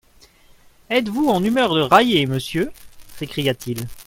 Êtes-vous en humeur de railler, monsieur ? s'écria-t-il.